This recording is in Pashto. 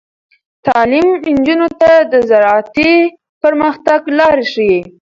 تعلیم نجونو ته د زراعتي پرمختګ لارې ښيي.